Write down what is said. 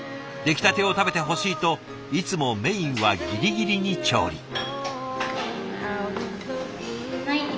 出来たてを食べてほしいといつもメインはギリギリに調理。